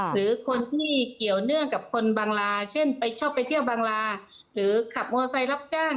หรือคนที่เกี่ยวเนื่องกับคนบางลาเช่นไปชอบไปเที่ยวบางลาหรือขับมอเซลรับจ้าง